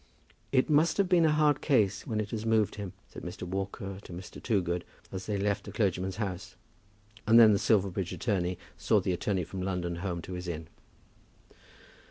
"It must have been a hard case when it has moved him," said Mr. Walker to Mr. Toogood as they left the clergyman's house; and then the Silverbridge attorney saw the attorney from London home to his inn.